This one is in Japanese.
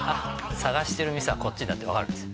探してる店はこっちだって分かるんですよ